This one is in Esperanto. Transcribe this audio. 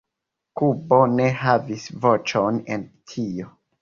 Kubo ne havis voĉon en tio"”.